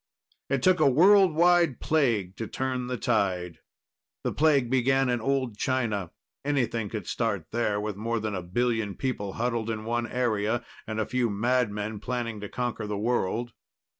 It took a world wide plague to turn the tide. The plague began in old China; anything could start there, with more than a billion people huddled in one area and a few madmen planning to conquer the world.